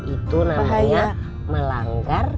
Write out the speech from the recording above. itu namanya melanggar